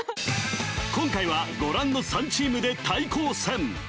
今回はご覧の３チームで対抗戦！